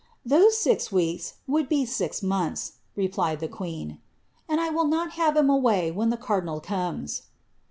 *^ Those six weeks would be six months," replied the queen, ^ and I will not have him away when the cardinal comes."